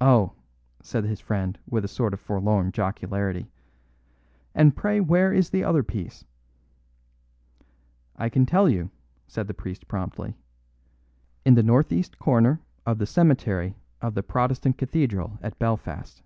"Oh!" said his friend, with a sort of forlorn jocularity; "and pray where is the other piece?" "I can tell you," said the priest promptly. "In the northeast corner of the cemetery of the Protestant Cathedral at Belfast."